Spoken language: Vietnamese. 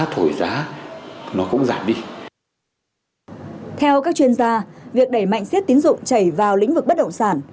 theo các chuyên gia việc đẩy mạnh xếp tín dụng chảy vào lĩnh vực bất động sản